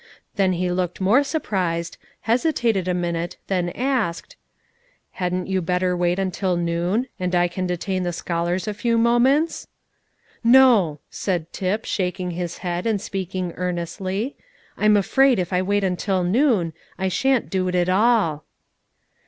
Then he looked more surprised, hesitated a minute, then asked, "Hadn't you better wait until noon, and I can detain the scholars a few moments?" "No," said Tip, shaking his head, and speaking earnestly; "I'm afraid, if I wait till noon, I shan't do it at all."